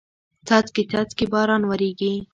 څاڅکي څاڅکي باران وریږي